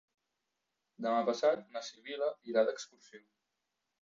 Demà passat na Sibil·la irà d'excursió.